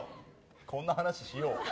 こんな話しよう？